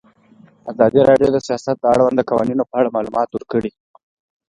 ازادي راډیو د سیاست د اړونده قوانینو په اړه معلومات ورکړي.